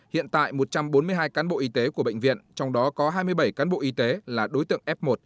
hiện tại một trăm bốn mươi hai cán bộ y tế của bệnh viện trong đó có hai mươi bảy cán bộ y tế là đối tượng f một